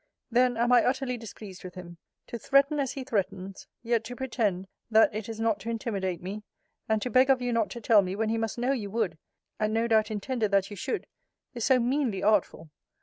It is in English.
Then am I utterly displeased with him. To threaten as he threatens; yet to pretend, that it is not to intimidate me; and to beg of you not to tell me, when he must know you would, and no doubt intended that you should, is so meanly artful!